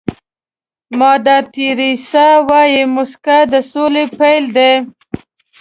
مادر تیریسا وایي موسکا د سولې پيل دی.